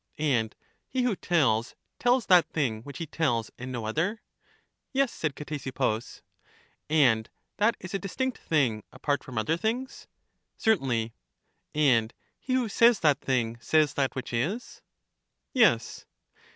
And he who tells, tells that thing which he tells, and no other? Yes, said Ctesippus. And that is a distinct thing apart from other things? Certainly. And he who says that thing says that which is? Yes.